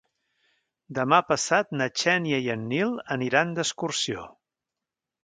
Demà passat na Xènia i en Nil aniran d'excursió.